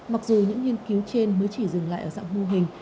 mặc dù những nghiên cứu trên mới chỉ dừng lại ở dạng mô hình